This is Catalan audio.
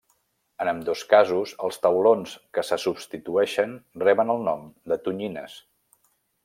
En ambdós casos els taulons que se substitueixen reben el nom de tonyines.